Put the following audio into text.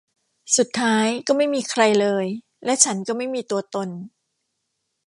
สุดท้าย ก็ไม่มีใครเลย และฉันก็ไม่มีตัวตน